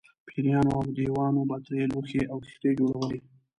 پېریانو او دیوانو به ترې لوښي او کښتۍ جوړولې.